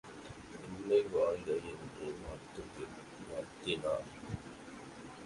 பெண்மை வாழ்க என்று வாழ்த்தினான்.